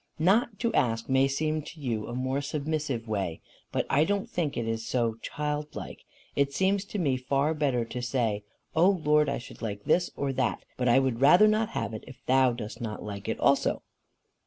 "Not to ask may seem to you a more submissive way, but I don't think it is so childlike. It seems to me far better to say, 'O Lord, I should like this or that, but I would rather not have it if thou dost not like it also.